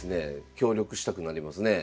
協力したくなりますねえ。